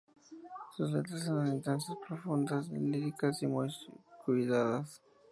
Sus letras eran intensas, profundas, líricas y muy cuidadas.